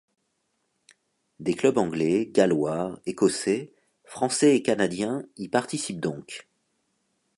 Des clubs anglais, gallois, écossais, français et canadiens y participent donc.